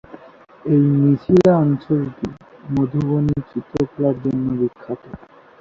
এই মিথিলা অঞ্চলটি মধুবনী চিত্রকলার জন্য বিখ্যাত।